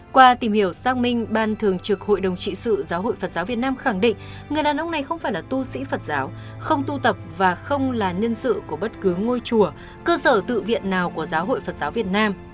qua tìm hiểu xác minh ban thường trực hội đồng trị sự giáo hội phật giáo việt nam khẳng định người đàn ông này không phải là tu sĩ phật giáo không tu tập và không là nhân sự của bất cứ ngôi chùa cơ sở tự viện nào của giáo hội phật giáo việt nam